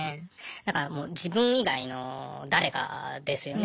だからもう自分以外の誰かですよね。